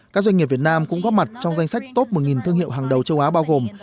các doanh nghiệp việt nam cũng góp mặt trong danh sách top một thương hiệu hàng đầu châu á bao gồm